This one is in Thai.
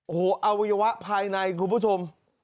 โอ้โหอวัยวะภายในคุณผู้ชม